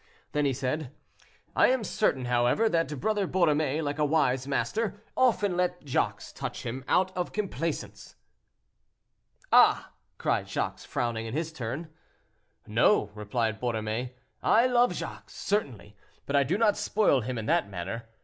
Then he said, "I am certain, however, that Brother Borromée, like a wise master, often let Jacques touch him out of complaisance." "Ah!" cried Jacques, frowning in his turn. "No," replied Borromée, "I love Jacques, certainly, but I do not spoil him in that manner.